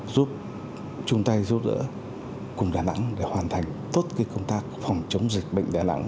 giúp chung tay giúp đỡ cùng đà nẵng để hoàn thành tốt công tác phòng chống dịch bệnh đà nẵng